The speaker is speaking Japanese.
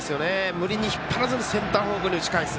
無理に引っ張らずにセンター方向に打ち返す。